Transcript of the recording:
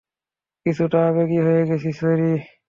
কিছুটা আবেগী হয়ে গেছি, স্যরি।